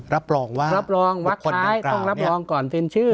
รับรองว่ารับรองว่าคนร้ายต้องรับรองก่อนเซ็นชื่อ